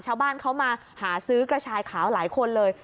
ชาวบ้านเขามาหาซื้อกระชายขาวหลายคนเลย